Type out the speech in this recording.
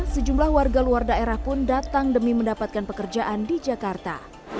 sejumlah warga luar daerah pun datang demi mendapatkan pekerjaan di jakarta